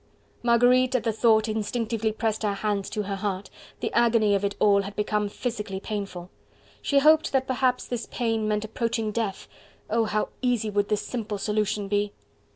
Marguerite at the thought instinctively pressed her hands to her heart, the agony of it all had become physically painful. She hoped that perhaps this pain meant approaching death! oh! how easy would this simple solution be!